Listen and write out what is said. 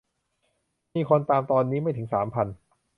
มีคนตามตอนนี้ไม่ถึงสามพัน